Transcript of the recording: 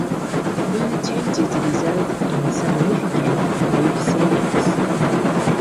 These changes resulted in significant weight savings.